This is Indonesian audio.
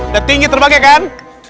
udah tinggi terbagai kan